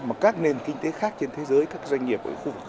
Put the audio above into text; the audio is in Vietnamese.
mà các nền kinh tế khác trên thế giới các doanh nghiệp ở khu vực